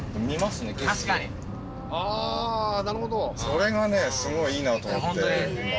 それがねすごいいいなと思って今。